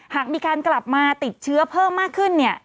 หากมีการกลับมาติดเชื้อเพิ่มมากขึ้นเนี่ย